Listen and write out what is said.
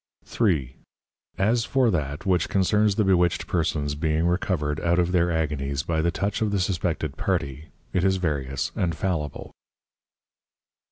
3. _As for that which concerns the Bewitched Persons being recovered out of their Agonies by the Touch of the suspected Party, it is various and fallible.